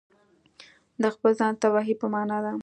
د خپل ځان د تباهي په معنا ده.